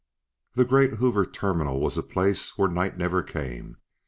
The great Hoover Terminal was a place where night never came.